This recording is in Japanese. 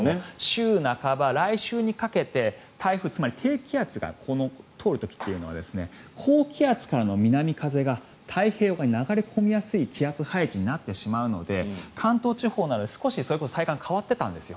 週半ば、来週にかけて台風、つまり低気圧が通る時というのは高気圧からの南風が太平洋側に流れ込みやすい気圧配置になってしまうので関東地方などえ体感変わってたんです。